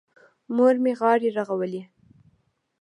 مور مې غاړې رغولې.